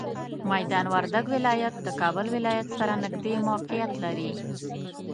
میدان وردګ ولایت د کابل ولایت سره نږدې موقعیت لري.